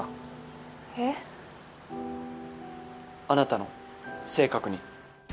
あなたの性格に。